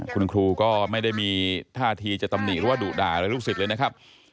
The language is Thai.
คุณครูก็ไม่ได้มีท่าทีจะตำหนิหรือว่าดุด่าอะไรลูกศิษย์เลยนะครับ